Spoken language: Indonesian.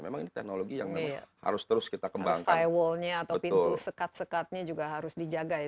memang ini teknologi yang harus terus stywall nya atau pintu sekat sekatnya juga harus dijaga ya